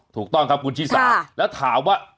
ถูกต้องครับคุณชิสาแล้วถามว่า